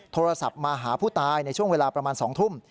โทรศัพท์มาหาผู้ตายในช่วงเวลาประมาณ๒ทุ่ม